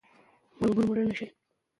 دا فرصت راتلونکی بدلولای شي.